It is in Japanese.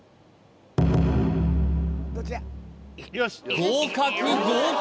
合格合格